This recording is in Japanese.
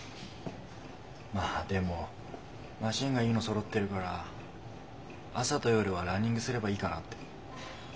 まあでもマシンがいいのそろってるから朝と夜はランニングすればいいかなって。